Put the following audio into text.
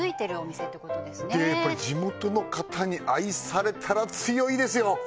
やっぱり地元の方に愛されたら強いですよ